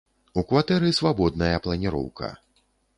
У кватэры свабодная планіроўка.